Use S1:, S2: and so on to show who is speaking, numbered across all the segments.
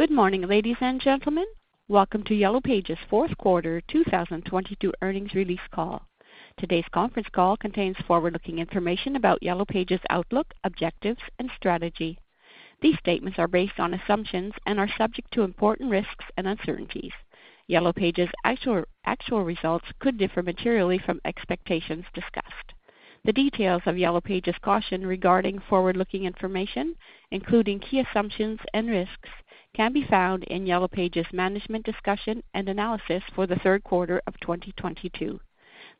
S1: Good morning, ladies and gentlemen. Welcome to Yellow Pages' Q4 2022 earnings release call. Today's conference call contains forward-looking information about Yellow Pages' outlook, objectives, and strategy. These statements are based on assumptions and are subject to important risks and uncertainties. Yellow Pages' actual results could differ materially from expectations discussed. The details of Yellow Pages' caution regarding forward-looking information, including key assumptions and risks, can be found in Yellow Pages' management discussion and analysis for the Q3 of 2022.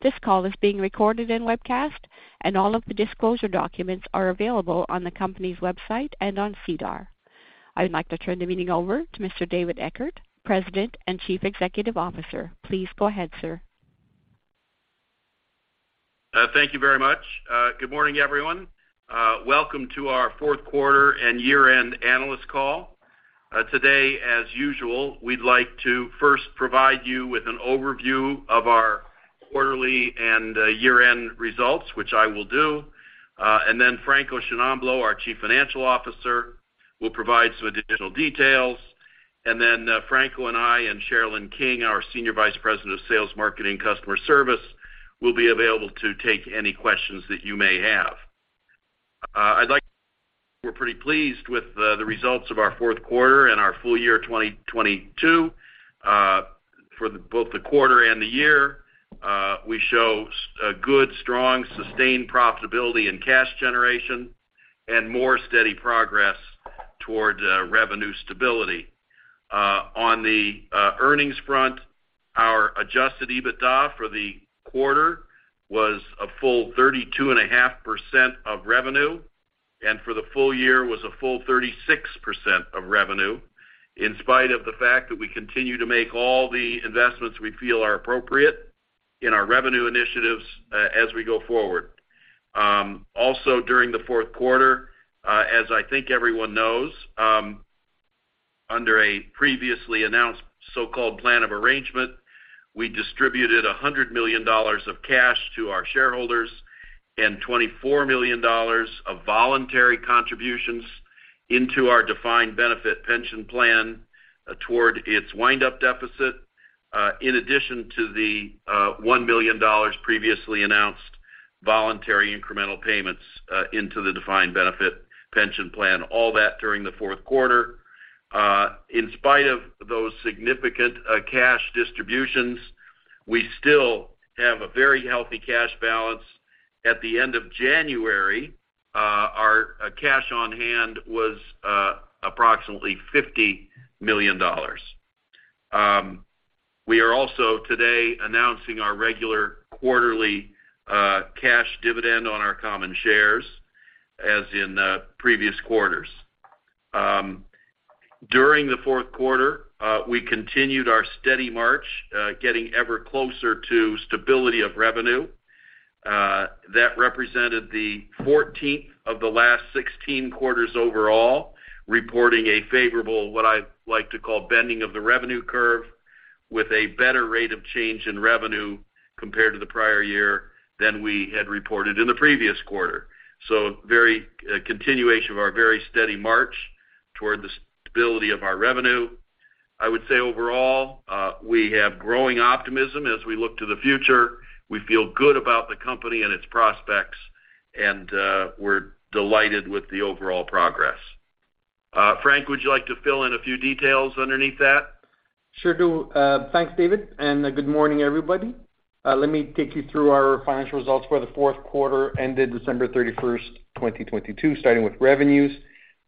S1: This call is being recorded and webcast, and all of the disclosure documents are available on the company's website and on SEDAR. I would like to turn the meeting over to Mr. David Eckert, President and Chief Executive Officer. Please go ahead, sir.
S2: Thank you very much. Good morning, everyone. Welcome to our Q4 and year-end analyst call. Today, as usual, we'd like to first provide you with an overview of our quarterly and year-end results, which I will do. Franco Sciannamblo, our Chief Financial Officer, will provide some additional details. Franco and I and Sherilyn King, our Senior Vice President of Sales, Marketing, and Customer Service, will be available to take any questions that you may have. We're pretty pleased with the results of our Q4 and our full year 2022. Both the quarter and the year, we show a good, strong, sustained profitability and cash generation and more steady progress toward revenue stability. On the earnings front, our adjusted EBITDA for the quarter was a full 32.5% of revenue, and for the full year was a full 36% of revenue, in spite of the fact that we continue to make all the investments we feel are appropriate in our revenue initiatives as we go forward. Also during the Q4, as I think everyone knows, under a previously announced so-called plan of arrangement, we distributed 100 million dollars of cash to our shareholders and 24 million dollars of voluntary contributions into our Defined Benefit Pension Plan toward its wind-up deficit, in addition to the 1 million dollars previously announced voluntary incremental payments, into the Defined Benefit Pension Plan, all that during the Q4. In spite of those significant cash distributions, we still have a very healthy cash balance. At the end of January, our cash on hand was approximately 50 million dollars. We are also today announcing our regular quarterly cash dividend on our common shares as in the previous quarters. During the Q4, we continued our steady march, getting ever closer to stability of revenue. That represented the 14th of the last 16 quarters overall, reporting a favorable, what I like to call bending of the revenue curve, with a better rate of change in revenue compared to the prior year than we had reported in the previous quarter. Very, continuation of our very steady march toward the stability of our revenue. I would say overall, we have growing optimism as we look to the future. We feel good about the company and its prospects, and we're delighted with the overall progress. Frank, would you like to fill in a few details underneath that?
S3: Sure do. Thanks, David, and good morning, everybody. Let me take you through our financial results for the Q4 ended December 31, 2022, starting with revenues.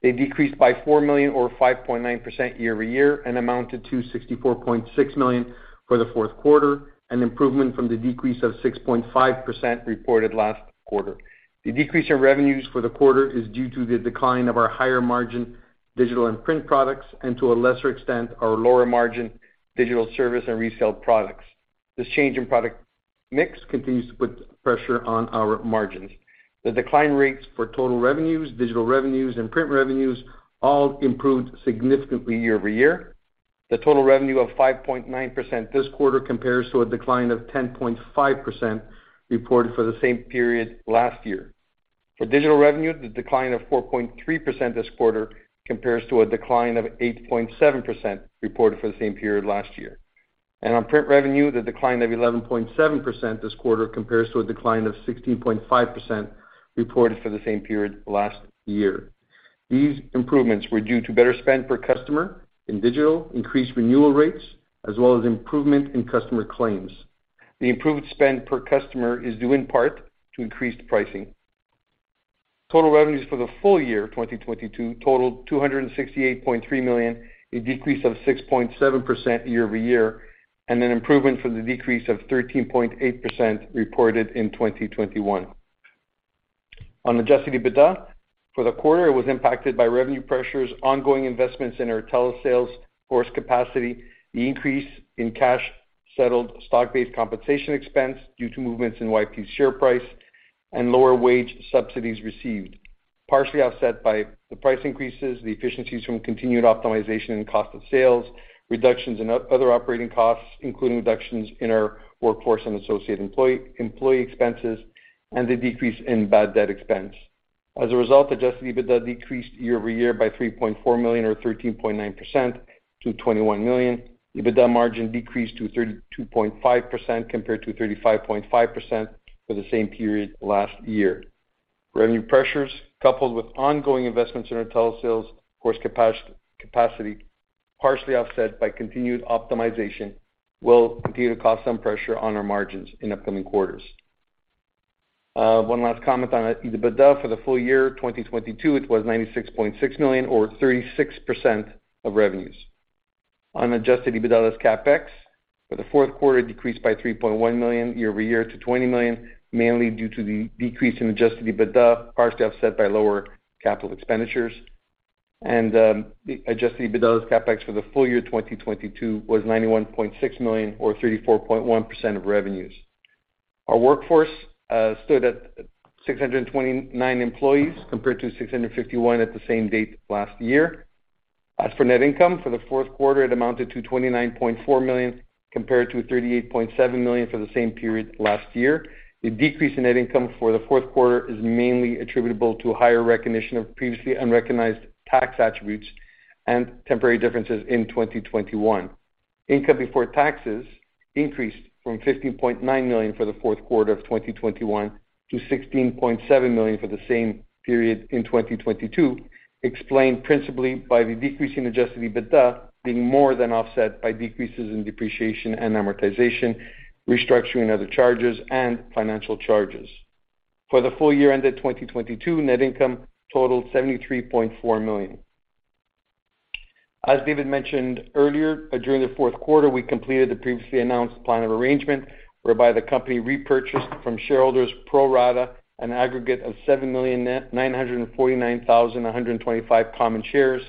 S3: They decreased by 4 million or 5.9% year-over-year and amounted to 64.6 million for the Q4, an improvement from the decrease of 6.5% reported last quarter. The decrease in revenues for the quarter is due to the decline of our higher margin digital and print products, and to a lesser extent, our lower margin digital service and resale products. This change in product mix continues to put pressure on our margins. The decline rates for total revenues, digital revenues, and print revenues all improved significantly year-over-year. The total revenue of 5.9% this quarter compares to a decline of 10.5% reported for the same period last year. For digital revenue, the decline of 4.3% this quarter compares to a decline of 8.7% reported for the same period last year. On print revenue, the decline of 11.7% this quarter compares to a decline of 16.5% reported for the same period last year. These improvements were due to better spend per customer in digital, increased renewal rates, as well as improvement in customer claims. The improved spend per customer is due in part to increased pricing. Total revenues for the full year 2022 totaled 268.3 million, a decrease of 6.7% year-over-year, an improvement for the decrease of 13.8% reported in 2021. Adjusted EBITDA, for the quarter, it was impacted by revenue pressures, ongoing investments in our telesales force capacity, the increase in cash settled stock-based compensation expense due to movements in YP share price, and lower wage subsidies received, partially offset by the price increases, the efficiencies from continued optimization in cost of sales, reductions in other operating costs, including reductions in our workforce and associate employee expenses, and the decrease in bad debt expense. As a result, Adjusted EBITDA decreased year-over-year by 3.4 million or 13.9%, to 21 million. EBITDA margin decreased to 32.5% compared to 35.5% for the same period last year. Revenue pressures, coupled with ongoing investments in our telesales capacity, partially offset by continued optimization, will continue to cause some pressure on our margins in upcoming quarters. One last comment on EBITDA for the full year 2022, it was 96.6 million or 36% of revenues. On adjusted EBITDA less CapEx, for the Q4 decreased by 3.1 million year-over-year to 20 million, mainly due to the decrease in adjusted EBITDA, partially offset by lower capital expenditures. The adjusted EBITDA less CapEx for the full year 2022 was 91.6 million or 34.1% of revenues. Our workforce stood at 629 employees compared to 651 at the same date last year. As for net income, for the Q4, it amounted to 29.4 million compared to 38.7 million for the same period last year. The decrease in net income for the Q4 is mainly attributable to a higher recognition of previously unrecognized tax attributes and temporary differences in 2021. Income before taxes increased from 15.9 million for the Q4 of 2021 to 16.7 million for the same period in 2022, explained principally by the decrease in adjusted EBITDA being more than offset by decreases in depreciation and amortization, restructuring other charges, and financial charges. For the full year ended 2022, net income totaled 73.4 million. As David mentioned earlier, during the Q4, we completed the previously announced plan of arrangement whereby the company repurchased from shareholders pro rata an aggregate of 7,949,125 common shares,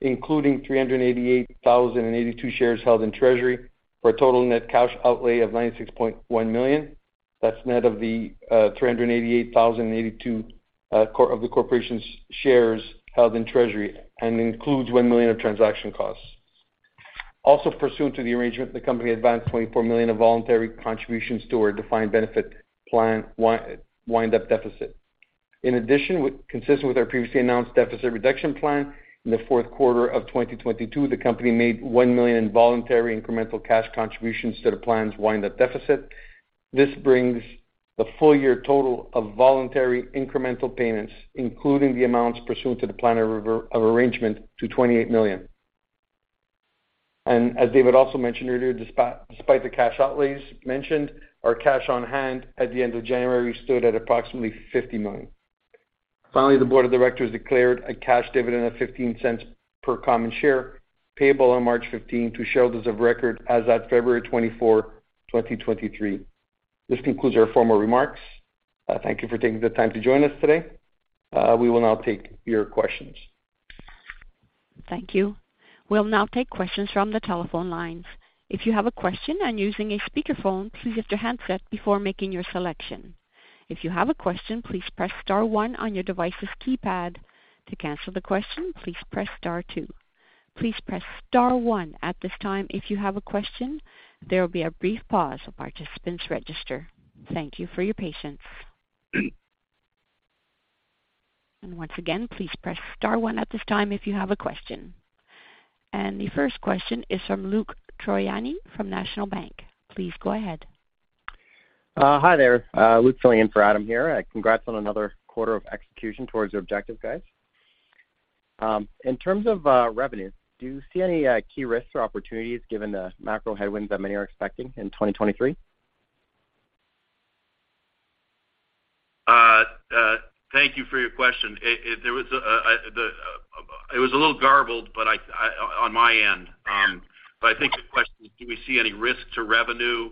S3: including 388,082 shares held in treasury for a total net cash outlay of 96.1 million. That's net of the 388,082 of the corporation's shares held in treasury and includes 1 million of transaction costs. Pursuant to the arrangement, the company advanced 24 million of voluntary contributions to our Defined Benefit Pension Plan wind-up deficit. Consistent with our previously announced deficit reduction plan, in the Q4 of 2022, the company made 1 million in voluntary incremental cash contributions to the plan's wind-up deficit. This brings the full year total of voluntary incremental payments, including the amounts pursuant to the plan of arrangement to 28 million. As David also mentioned earlier, despite the cash outlays mentioned, our cash on hand at the end of January stood at approximately 50 million. Finally, the board of directors declared a cash dividend of 0.15 per common share, payable on March 15 to shareholders of record as at February 24, 2023. This concludes our formal remarks. Thank you for taking the time to join us today. We will now take your questions.
S1: Thank you. We'll now take questions from the telephone lines. If you have a question and using a speakerphone, please lift your handset before making your selection. If you have a question, please press star one on your device's keypad. To cancel the question, please press star two. Please press star one at this time if you have a question. There will be a brief pause while participants register. Thank you for your patience. Once again, please press star 1 at this time if you have a question. The first question is from Luc Troiani from National Bank Financial. Please go ahead.
S4: Hi there. Luc filling in for Adam here. Congrats on another quarter of execution towards your objective, guys. In terms of revenue, do you see any key risks or opportunities given the macro headwinds that many are expecting in 2023?
S2: Thank you for your question. It was a little garbled, but I on my end. I think the question is, do we see any risk to revenue,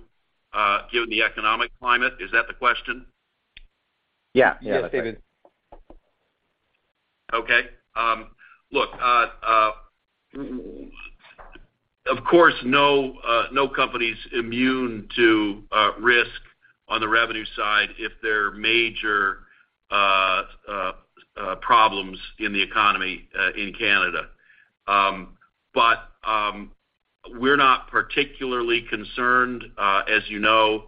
S2: given the economic climate? Is that the question?
S4: Yeah.
S3: Yes, David.
S2: Okay. Look, of course, no company is immune to risk on the revenue side if there are major problems in the economy in Canada. We're not particularly concerned. As you know,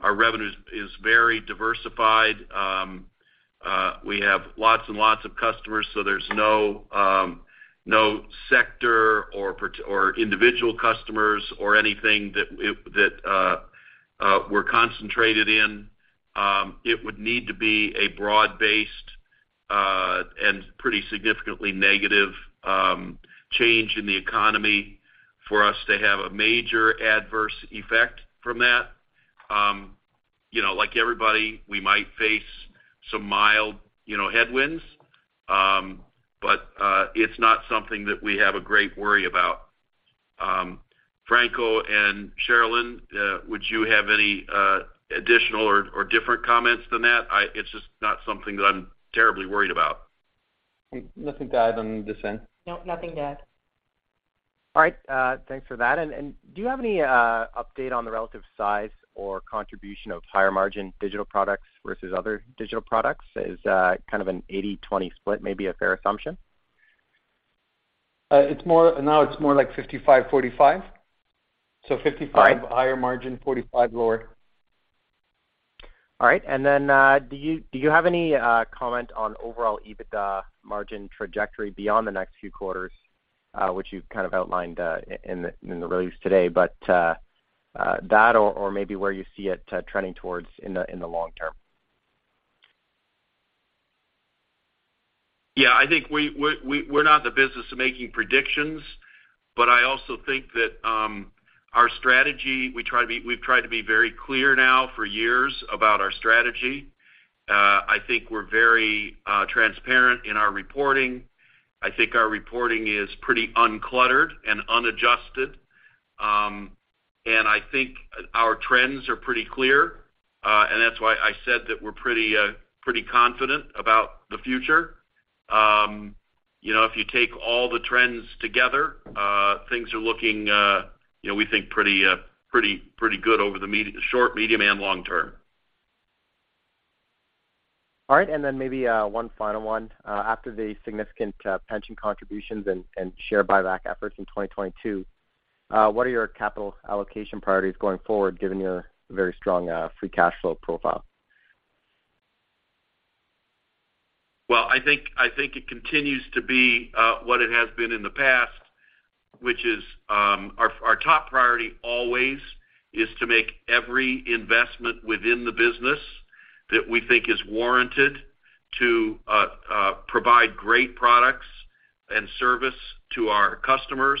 S2: our revenue is very diversified. We have lots and lots of customers, so there's no sector or individual customers or anything that we're concentrated in. It would need to be a broad-based and pretty significantly negative change in the economy for us to have a major adverse effect from that. You know, like everybody, we might face some mild, you know, headwinds. It's not something that we have a great worry about. Franco and Sherilyn, would you have any additional or different comments than that? It's just not something that I'm terribly worried about.
S3: Nothing to add on this end.
S5: No, nothing to add.
S4: All right. thanks for that. Do you have any update on the relative size or contribution of higher-margin digital products versus other digital products? Is kind of an 80-20 split maybe a fair assumption?
S3: now it's more like 55, 45. 55-
S4: All right.
S3: Higher margin, 45%, lower.
S4: All right. Do you have any comment on overall EBITDA margin trajectory beyond the next few quarters, which you kind of outlined in the release today, but that or maybe where you see it trending towards in the long term?
S2: I think we're not in the business of making predictions, but I also think that our strategy, we've tried to be very clear now for years about our strategy. I think we're very transparent in our reporting. I think our reporting is pretty uncluttered and unadjusted. I think our trends are pretty clear, and that's why I said that we're pretty confident about the future. You know, if you take all the trends together, things are looking, you know, we think pretty good over the short, medium, and long term.
S4: All right. Then maybe, one final one. After the significant pension contributions and share buyback efforts in 2022, what are your capital allocation priorities going forward, given your very strong free cash flow profile?
S2: Well, I think it continues to be what it has been in the past, which is our top priority always is to make every investment within the business that we think is warranted to provide great products and service to our customers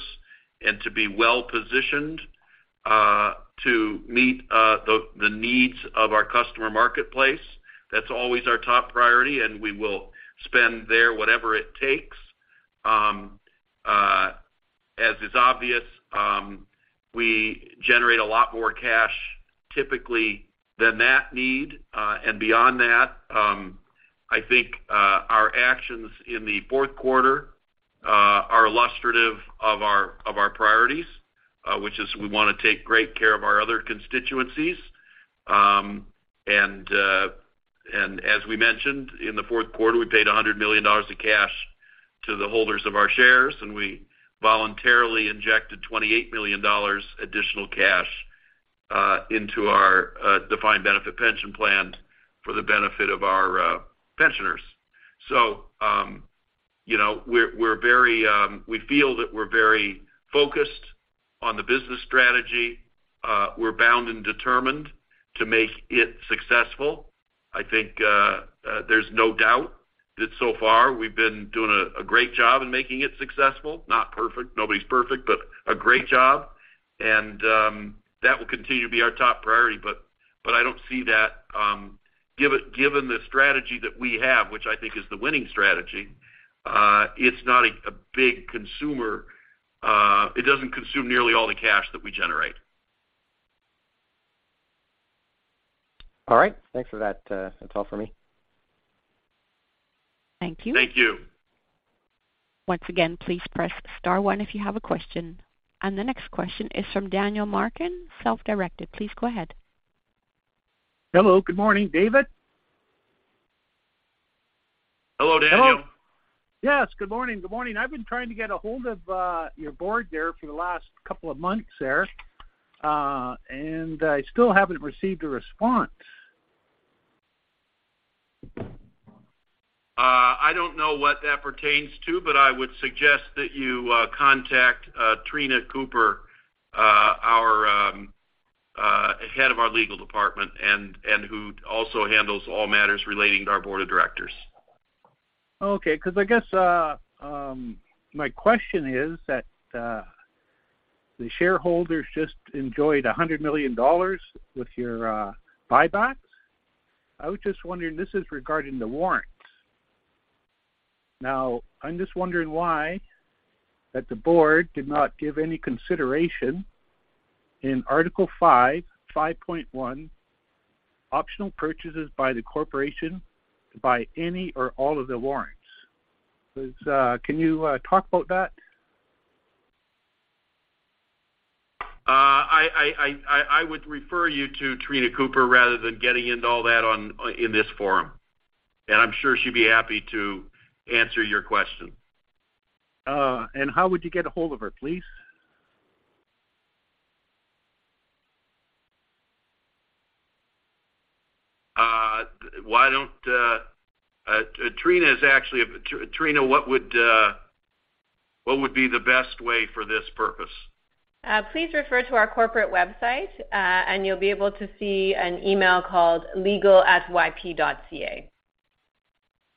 S2: and to be well-positioned to meet the needs of our customer marketplace. That's always our top priority. We will spend there whatever it takes. As is obvious, we generate a lot more cash typically than that need. Beyond that, I think our actions in the Q4 are illustrative of our priorities, which is we wanna take great care of our other constituencies. As we mentioned, in the Q4, we paid 100 million dollars of cash to the holders of our shares, and we voluntarily injected 28 million dollars additional cash into our Defined Benefit Pension Plan for the benefit of our pensioners. You know, we feel that we're very focused on the business strategy. We're bound and determined to make it successful. I think there's no doubt that so far we've been doing a great job in making it successful. Not perfect. Nobody's perfect, but a great job. That will continue to be our top priority, but I don't see that, given the strategy that we have, which I think is the winning strategy, it's not a big consumer. It doesn't consume nearly all the cash that we generate.
S4: All right. Thanks for that. That's all for me.
S1: Thank you.
S2: Thank you.
S1: Once again, please press star one if you have a question. The next question is from Daniel Marken, Self-directed. Please go ahead.
S6: Hello. Good morning, David.
S2: Hello, Daniel.
S6: Hello. Yes, good morning. Good morning. I've been trying to get a hold of your board there for the last couple of months there. I still haven't received a response.
S2: I don't know what that pertains to, but I would suggest that you contact Treena Cooper, our head of our legal department and who also handles all matters relating to our board of directors.
S6: Okay. I guess my question is that the shareholders just enjoyed 100 million dollars with your buybacks. I was just wondering, this is regarding the warrants. I'm just wondering why that the board did not give any consideration in Article 5.1, optional purchases by the corporation to buy any or all of the warrants. It's. Can you talk about that?
S2: I would refer you to Treena Cooper rather than getting into all that in this forum. I'm sure she'd be happy to answer your question.
S6: How would you get a hold of her, please?
S2: why don't, Treena, what would, what would be the best way for this purpose?
S7: Please refer to our corporate website, and you'll be able to see an email called legal@yp.ca.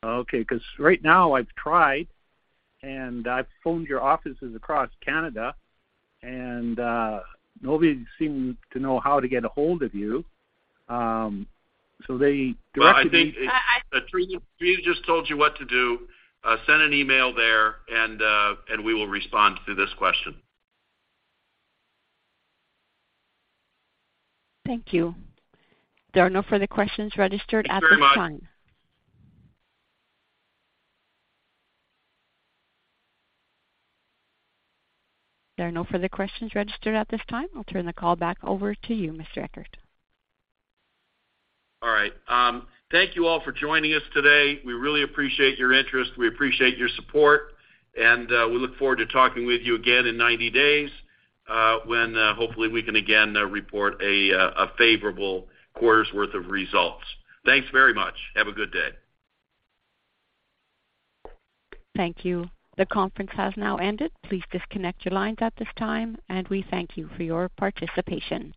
S6: Okay. 'Cause right now I've tried, and I've phoned your offices across Canada, and nobody seemed to know how to get a hold of you.
S2: Well, I think. I think Treena- Treena just told you what to do. Send an email there, and we will respond to this question.
S1: Thank you. There are no further questions registered at this time.
S2: Thanks very much.
S1: There are no further questions registered at this time. I'll turn the call back over to you, Mr. Eckert.
S2: All right. Thank you all for joining us today. We really appreciate your interest. We appreciate your support, and we look forward to talking with you again in 90 days, when hopefully we can again report a favorable quarter's worth of results. Thanks very much. Have a good day.
S1: Thank you. The conference has now ended. Please disconnect your lines at this time, and we thank you for your participation.